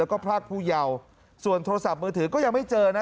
แล้วก็พรากผู้เยาว์ส่วนโทรศัพท์มือถือก็ยังไม่เจอนะ